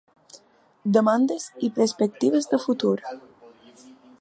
Demandes i perspectives de futur.